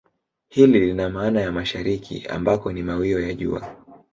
Hili lina maana ya mashariki ambako ni mawio ya jua